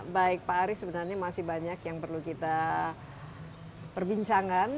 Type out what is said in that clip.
baik pak aris sebenarnya masih banyak yang perlu kita perbincangkan